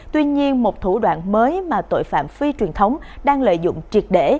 tuy nhiên một thủ đoạn mới mà tội phạm phi truyền thống đang lợi dụng triệt để